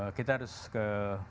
ya kita harus ke